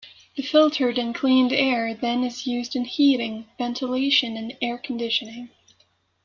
The filtered and cleaned air then is used in heating, ventilation and air conditioning.